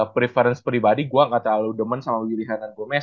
preference pribadi gue nggak terlalu demen sama willy henan gomez